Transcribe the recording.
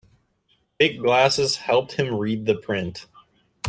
Thick glasses helped him read the print.